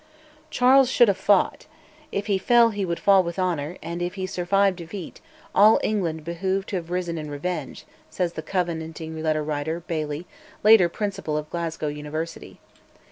Charles should have fought: if he fell he would fall with honour; and if he survived defeat "all England behoved to have risen in revenge," says the Covenanting letter writer, Baillie, later Principal of Glasgow University.